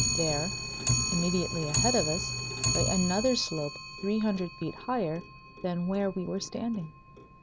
There, immediately ahead of us, lay another slope three hundred feet higher than where we were standing.